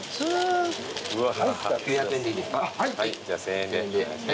９００円でいいですか？